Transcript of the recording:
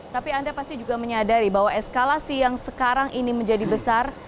tapi anda pasti juga menyadari bahwa eskalasi yang sekarang ini menjadi besar